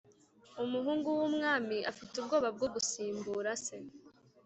Umuhungu w’ umwami afite ubwoba bwo gusimbura se